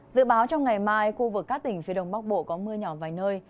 dự báo trong ngày mai khu vực các tỉnh phía đông bắc bộ có mưa nhỏ vài nơi